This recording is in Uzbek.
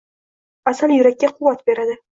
Asal yurakka quvvat beradi.